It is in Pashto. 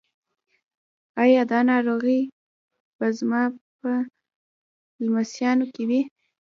ایا دا ناروغي به زما په لمسیانو کې وي؟